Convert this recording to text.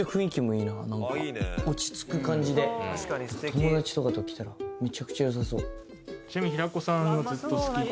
友達とかと来たらめちゃくちゃ良さそう。